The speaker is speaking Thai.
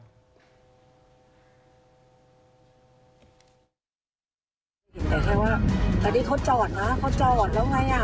แต่แค่ว่าอันนี้เขาจอดนะเขาจอดแล้วไงอ่ะ